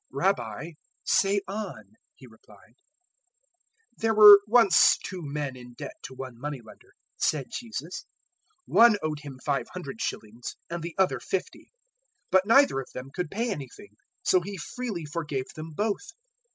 "Rabbi, say on," he replied. 007:041 "There were once two men in debt to one money lender," said Jesus; "one owed him five hundred shillings and the other fifty. 007:042 But neither of them could pay anything; so he freely forgave them both.